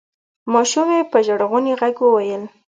ماشومې په ژړغوني غږ وویل: